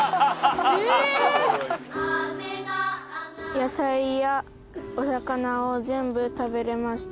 「野菜やお魚を全部食べれました」